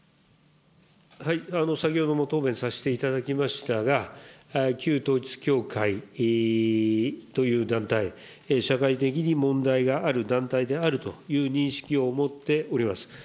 先ほども答弁させていただきましたが、旧統一教会という団体、社会的に問題がある団体であるという認識を持っております。